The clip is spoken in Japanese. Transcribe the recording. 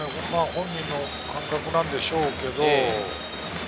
本人の感覚なんでしょうけれど。